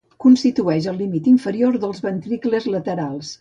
Constitueix el límit inferior dels ventricles laterals.